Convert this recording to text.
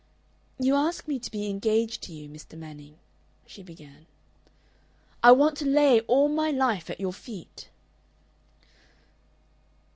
"You ask me to be engaged to you, Mr. Manning," she began. "I want to lay all my life at your feet."